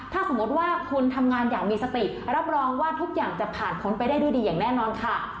ถ้าสมมติว่าคุณทำงานอย่างมีสติรับรองว่าทุกอย่างจะผ่านพ้นไปได้ด้วยดีอย่างแน่นอนค่ะ